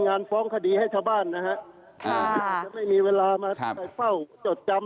งานฟ้องคดีให้ชาวบ้านนะฮะค่ะอาจจะไม่มีเวลามาไปเฝ้าจดจำ